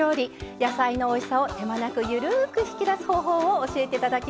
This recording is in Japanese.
野菜のおいしさを手間なくゆるく引き出す方法を教えて頂きます。